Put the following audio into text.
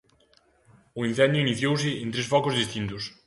O incendio iniciouse en tres focos distintos.